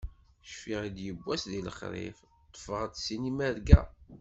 Cfiɣ yiwwas di lexrif, ṭṭfeɣ-d sin imerga.